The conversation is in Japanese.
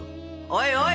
おいおい！